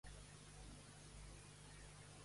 Què imagina que passaria si el tigre tingués la paraula?